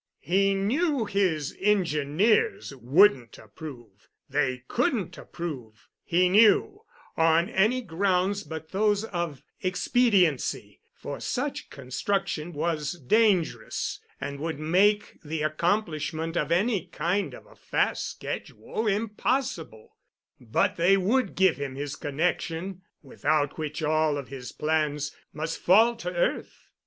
He knew his engineers wouldn't approve—they couldn't approve, he knew, on any grounds but those of expediency, for such construction was dangerous and would make the accomplishment of any kind of a fast schedule impossible, but they would give him his connection—without which all of his plans must fall to earth.